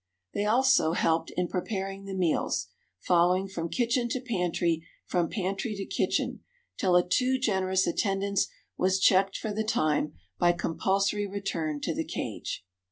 They helped also in preparing the meals, following from kitchen to pantry, from pantry to kitchen, till a too generous attendance was checked for the time by compulsory return to the cage.